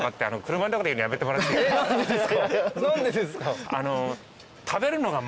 何でですか。